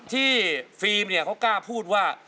ที่ฟิล์มเขากล้าพูดว่า